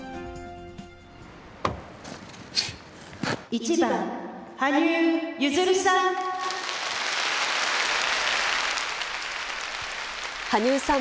１番、羽生結弦さん。